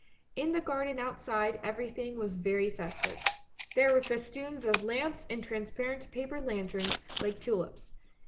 In the garden outside everything was very festive. There were festoons of lamps and transparent paper lanterns like tulips.